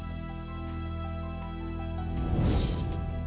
ขอให้คุณพระคุ้มครองและมีแต่สิ่งดีเข้ามาในครอบครัวนะครับ